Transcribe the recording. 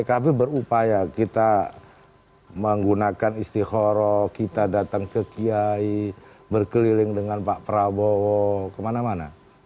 pkb berupaya kita menggunakan istihoroh kita datang ke kiai berkeliling dengan pak prabowo kemana mana